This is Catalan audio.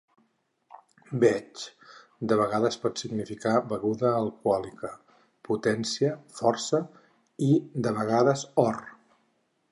"Veig" de vegades pot significar "beguda alcohòlica", "potència, força" i, de vegades, "or".